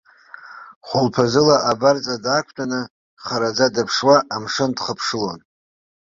Хәылԥазыла абарҵа даақәтәаны, хараӡа дыԥшуа, амшын дхыԥшылон.